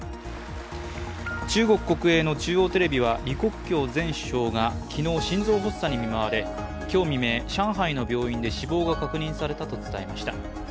中国国営の中央テレビは、李克強前首相が昨日、心臓発作に見舞われ、今日未明、上海の病院で死亡が確認されたと伝えました。